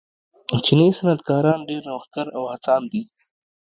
چینايي صنعتکاران ډېر نوښتګر او هڅاند دي.